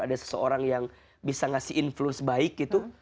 ada seseorang yang bisa ngasih influence baik gitu